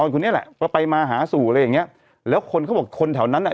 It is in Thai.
ก็ไปมาหาสู่อะไรอย่างเงี้ยแล้วคนเขาบอกคนแถวนั้นแหละ